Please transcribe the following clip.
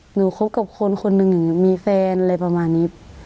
คบกับคนคนหนึ่งมีแฟนอะไรประมาณนี้